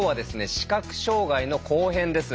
視覚障害の後編です。